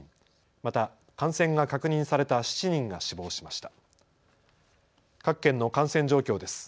また感染が確認された７人が死亡しました。